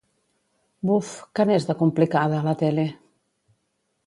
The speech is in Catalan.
Buf, que n'és de complicada, la tele!